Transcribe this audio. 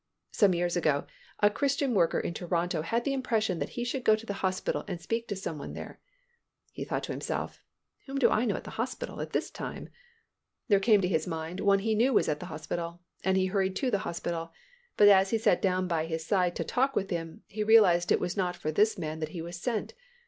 Some years ago, a Christian worker in Toronto had the impression that he should go to the hospital and speak to some one there. He thought to himself, "Whom do I know at the hospital at this time?" There came to his mind one whom he knew was at the hospital, and he hurried to the hospital, but as he sat down by his side to talk with him, he realized it was not for this man that he was sent.